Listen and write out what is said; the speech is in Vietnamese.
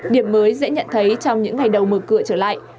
điểm mới dễ nhận thấy trong những ngày đầu mở cửa trở lại